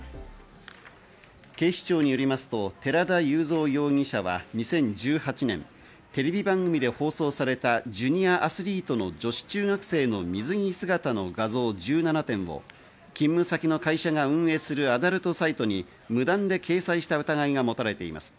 警視庁によりますと、寺田祐三容疑者は２０１８年、テレビ番組で放送されたジュニアアスリートの女子中学生の水着姿の画像１７点を勤務先の会社が運営するアダルトサイトに無断で掲載した疑いがもたれています。